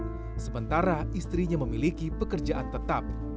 panca bekerja serabutan sementara istrinya memiliki pekerjaan tetap